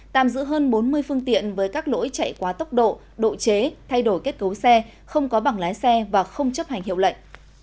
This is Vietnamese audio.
tạm giữ hơn bốn mươi phương tiện với các lỗi chạy quá tốc độ độ chế thay đổi kết cấu xe không có bảng lái xe và không chấp hành hiệu lệnh